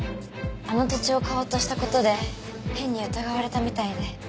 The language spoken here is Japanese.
あの土地を買おうとした事で変に疑われたみたいで。